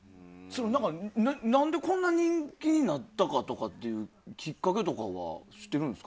何で、こんな人気になったかとかきっかけとか知ってるんですか？